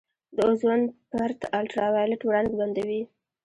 د اوزون پرت الټراوایلټ وړانګې بندوي.